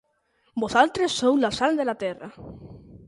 Vosaltres sou la sal de la terra.